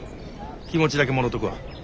気持ちだけもろとくわ。